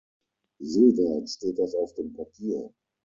Soweit steht das auf dem Papier.